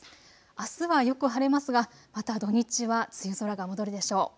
あすはよく晴れますがまた土日は梅雨空が戻るでしょう。